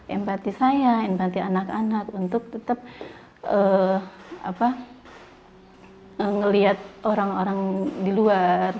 empati saya empati anak anak untuk tetap melihat orang orang di luar